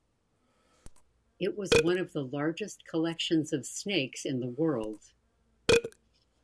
It was one of the largest collections of snakes in the world.